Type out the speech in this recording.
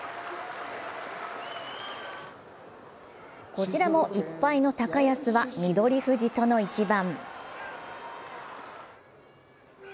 こちらも１敗の高安は翠富士との一番。